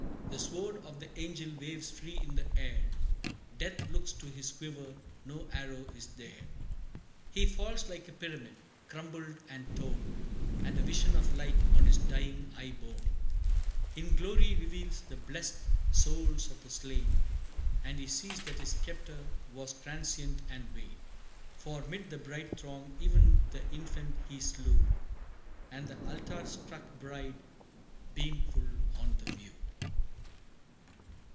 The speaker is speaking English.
The sword of the angel waves free in the air; Death looks to his quiver, no arrow is there! He falls like a pyramid, crumbled and torn; And a vision of light on his dying eye borne, In glory reveals the blest souls of the slain, And he sees that his sceptre was transient and vain; For, 'mid the bright throng, e'en the infant he slew, And the altar struck bride, beam full on the view!